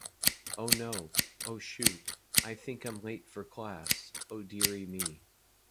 Oh no, oh shoot, I think I'm late for class, oh dearie me.